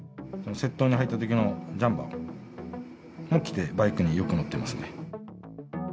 窃盗に入ったときのジャンパーを着て、バイクによく乗ってますね。